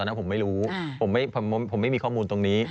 นั้นผมไม่รู้ผมไม่มีข้อมูลตรงนี้